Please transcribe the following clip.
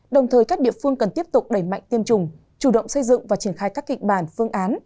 đồng thời các địa phương cần tiếp tục đẩy mạnh tiêm chủng chủ động xây dựng và triển khai các kịch bản phương án